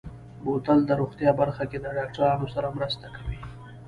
بوتل د روغتیا برخه کې د ډاکترانو سره مرسته کوي.